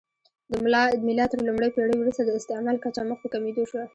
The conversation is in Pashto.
د میلاد تر لومړۍ پېړۍ وروسته د استعمل کچه مخ په کمېدو شوه